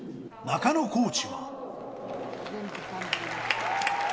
中野コーチは。